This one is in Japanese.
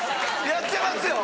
やってますよ！